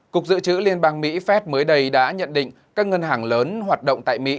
cục dự trữ liên bang mỹ fed mới đây đã nhận định các ngân hàng lớn hoạt động tại mỹ